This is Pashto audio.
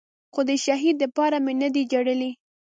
خو د شهيد دپاره مې نه دي جړلي.